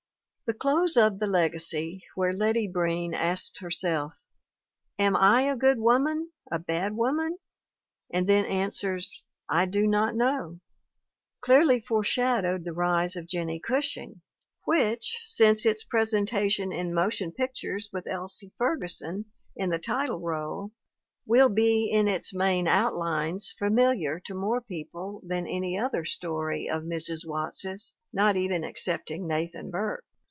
The close of The Legacy, where Letty Breen asks herself: "Am / a good woman a bad woman?'* and then answers "I do not know," clearly foreshadowed The Rise of Jennie Gushing, which, since its presenta tion in motion pictures with Elsie Ferguson in the title role, will be in its main outlines familiar to more people than any other story of Mrs. Watts's, not even excepting Nathan Burke.